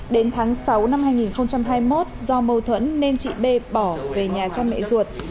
đến tháng sáu năm hai nghìn hai mươi một do mâu thuẫn nên chị b bỏ về nhà cha mẹ ruột